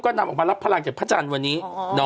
นำออกมารับพลังจากพระจันทร์วันนี้